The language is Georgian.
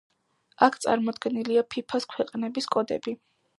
აქ წარმოდგენილია ფიფა-ს ქვეყნების კოდები.